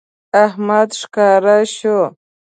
احمد ښکاره شو